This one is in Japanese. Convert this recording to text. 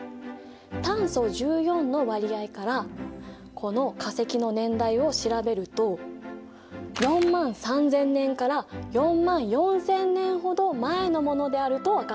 炭素１４の割合からこの化石の年代を調べると４万３０００年から４万４０００年ほど前のものであると分かったんだ。